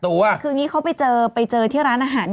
คืออย่างนี้เขาไปเจอไปเจอที่ร้านอาหาร